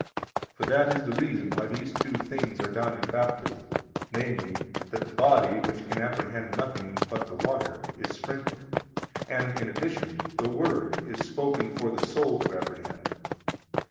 45 For that is the reason why these two things are done in Baptism, namely, that the body, which can apprehend nothing but the water, is sprinkled, and, in addition, the word is spoken for the soul to apprehend.